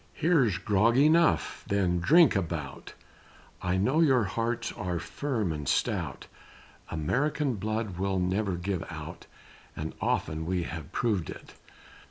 Here's grog enough then drink a bout, I know your hearts are firm and stout; American blood will never give out, And often we have proved it.